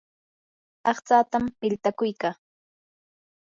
aqtsatam piltakuykaa.